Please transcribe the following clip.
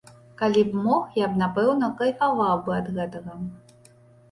Калі б мог, я б напэўна кайфаваў бы ад гэтага.